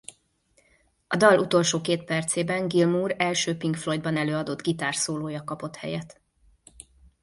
A dal utolsó két percében Gilmour első Pink Floydban előadott gitárszólója kapott helyet.